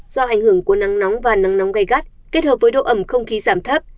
do ảnh hưởng của nắng nóng và nắng nóng gai gắt kết hợp với độ ẩm không khí giảm thấp